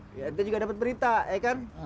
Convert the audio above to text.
kita juga dapat berita ya kan